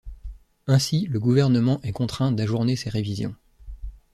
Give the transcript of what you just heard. Ainsi, le gouvernement est contraint d’ajourner ces révisions.